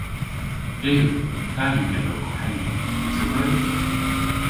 Yw. Da yw genowgh henna yn tevri.